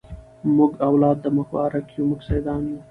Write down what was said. موږ اولاد د مبارک یو موږ سیدان یو